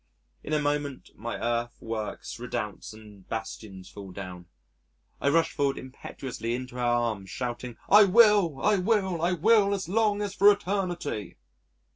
In a moment my earth works, redoubts, and bastions fall down, I rush forward impetuously into her arms shouting, "I will, I will, I will as long as for eternity."